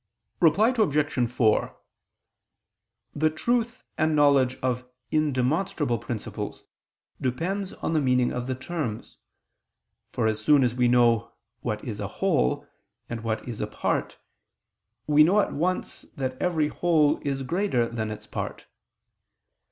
Reply Obj. 4: The truth and knowledge of indemonstrable principles depends on the meaning of the terms: for as soon as we know what is a whole, and what is a part, we know at once that every whole is greater than its part.